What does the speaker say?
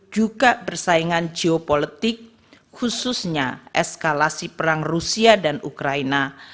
juga persaingan geopolitik khususnya eskalasi perang rusia dan ukraina